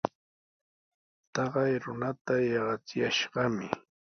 Taqay runata yaqachiyashqami.